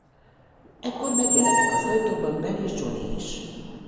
Ekkor megjelenik az ajtóban Ben és Johnny is.